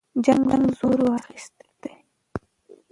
جنګ زور واخیست.